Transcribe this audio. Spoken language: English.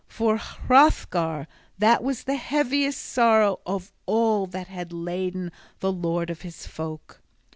For Hrothgar that was the heaviest sorrow of all that had laden the lord of his folk.